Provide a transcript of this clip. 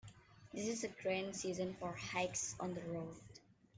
This is a grand season for hikes on the road.